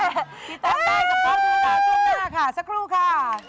ติดตามใจกับพ่อหมอสุดหน้าช่วงหน้าค่ะสักครู่ค่ะ